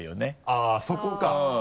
あっそこか。